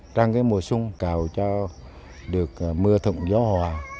trong mùa xuân cầu cho được mưa thuận gió hòa